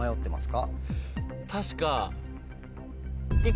確か。